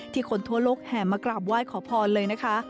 คนทั่วโลกแห่มากราบไหว้ขอพรเลยนะคะ